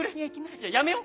行きます！